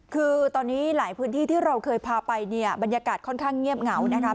คือตอนนี้หลายพื้นที่ที่เราเคยพาไปเนี่ยบรรยากาศค่อนข้างเงียบเหงานะคะ